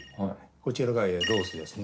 「こちらがロースですね」